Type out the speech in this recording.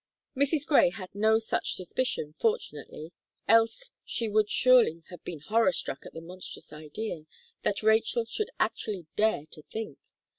Mrs. Gray had no such suspicion, fortunately; else she would surely have been horror struck at the monstrous idea, that Rachel should actually dare to think!